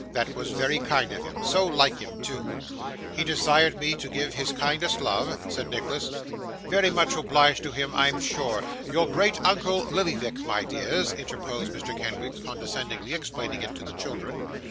That was very kind of him; so like him too! 'He desired me to give his kindest love,' said Nicholas. 'Very much obliged to him, I'm sure. Your great uncle, Lillyvick, my dears!' interposed Mr. Kenwigs, condescendingly explaining it to the children.